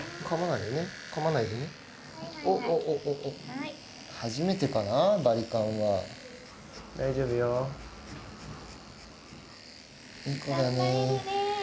いい子だね。